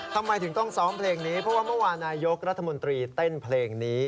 ทำไมถึงต้องซ้อมเพลงนี้เพราะว่าเมื่อวานนายกรัฐมนตรีเต้นเพลงนี้